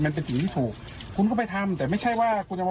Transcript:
ประธานชมรมกาแฟน่านอยู่ไม่ได้เลยร้อนใจ